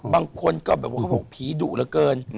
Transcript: บางคนก็แบบว่าเขาบอกผีดุเหลือเกิน